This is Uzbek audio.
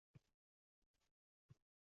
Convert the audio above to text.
Bunday ishni bajaraman desangiz.